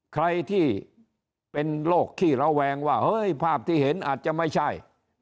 ใครที่เป็นโรคขี้ระแวงว่าเฮ้ยภาพที่เห็นอาจจะไม่ใช่